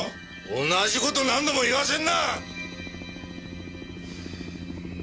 同じ事何度も言わせんな！